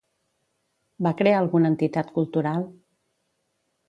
Va crear alguna entitat cultural?